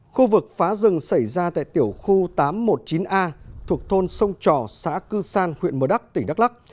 khu vực phá rừng xảy ra tại tiểu khu tám trăm một mươi chín a thuộc thôn sông trò xã cư san huyện mờ đắc tỉnh đắk lắc